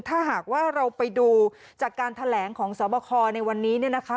ถ้าหากว่าเราไปดูจากการแถลงของสวบคในวันนี้เนี่ยนะคะ